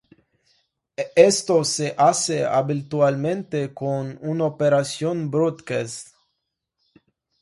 Esto se hace habitualmente con una operación broadcast.